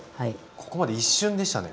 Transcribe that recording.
ここまで一瞬でしたね。